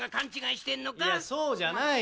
「いやそうじゃない。